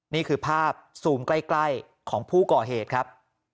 นี่คือภาพซูมใกล้ของผู้ก่อเหตุครับ